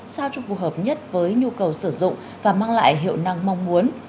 sao cho phù hợp nhất với nhu cầu sử dụng và mang lại hiệu năng mong muốn